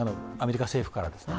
アメリカ政府から。